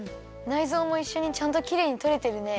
ないぞうもいっしょにちゃんときれいにとれてるね。